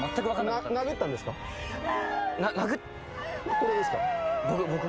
これですか？